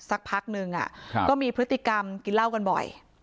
สักพักนึงก็มีพฤติกรรมกินเหล้ากันบ่อย